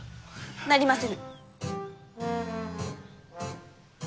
なりませぬ！